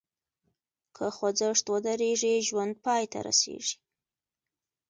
که خوځښت ودریږي، ژوند پای ته رسېږي.